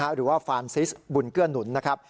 หรือว่าฟานซิสบุญเกื้อหนุนนะครับ